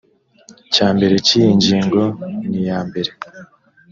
cya mbere cy iyi ngingo niyambere